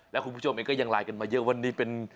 แล้วคุณผู้ชมเองก็ยังไลน์กันมาเยอะวันนี้เป็น